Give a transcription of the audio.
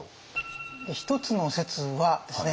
１つの説はですね